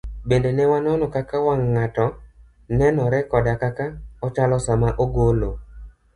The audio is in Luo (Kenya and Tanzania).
bende ne wanono kaka wang' ng'ato nenore koda kaka ochalo sama ogolo